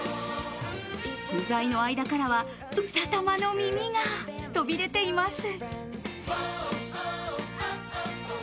具材の間からはうさたまの耳が飛び出ています。